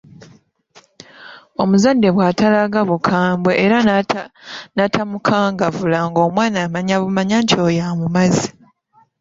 Omuzadde bw’atalaga bukambwe era n'atamukangavvula ng'omwana amanya bumanya nti oyo amumaze.